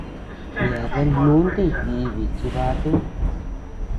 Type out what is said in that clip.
Yeabean lunti dibi chibatu.